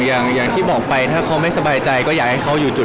หลังบ้านหมีค่อนข้างจะสั่นคลอนบ่อย